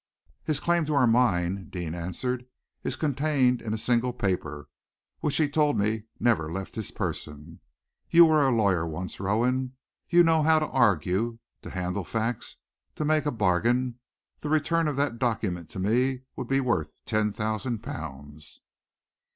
"His claim to our mine," Deane answered, "is contained in a single paper, which he told me never left his person. You were a lawyer once, Rowan. You know how to argue, to handle facts, to make a bargain. The return of that document to me would be worth ten thousand pounds."